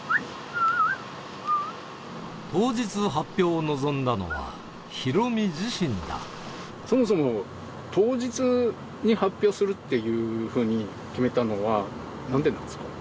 当日発表を望んだのは、ヒロミ自そもそも当日に発表するっていうふうに決めたのは、なんでなんですか？